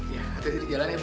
ya hati hati dijalannya bu